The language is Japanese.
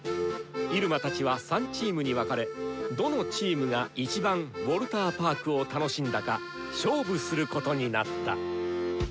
入間たちは３チームに分かれどのチームが一番ウォルターパークを楽しんだか勝負することになった！